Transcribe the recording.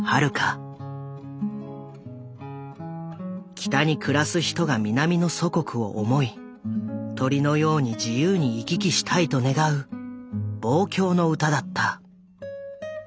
北に暮らす人が南の祖国を思い鳥のように自由に行き来したいと願う望郷の歌だった。